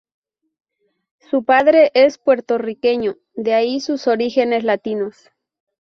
Su padre es puertorriqueño, de ahí sus orígenes latinos.